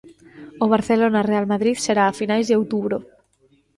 O Barcelona Real Madrid será a finais de outubro.